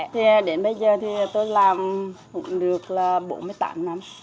thì đến bây giờ thì tôi làm cũng được là bốn mươi tám năm